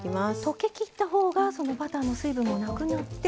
溶けきった方がバターの水分もなくなって。